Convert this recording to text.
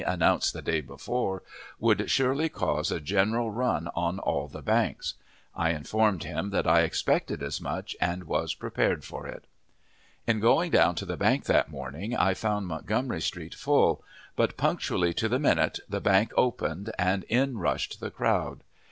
announced the day before, would surely cause a general run on all the banks. I informed him that I expected as much, and was prepared for it. In going down to the bank that morning, I found Montgomery Street full; but, punctually to the minute, the bank opened, and in rushed the crowd.